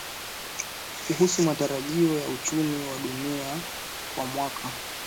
kuhusu matarajio ya uchumi wa dunia kwa mwaka